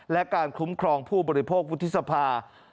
และการคุ้มครองผู้บริโภควุฒิสภา